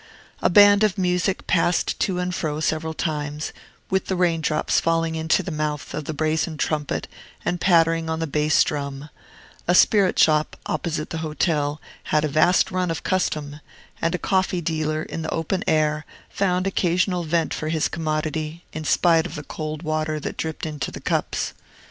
A band of music passed to and fro several times, with the rain drops falling into the mouth of the brazen trumpet and pattering on the bass drum; a spirit shop, opposite the hotel, had a vast run of custom; and a coffee dealer, in the open air, found occasional vent for his commodity, in spite of the cold water that dripped into the cups.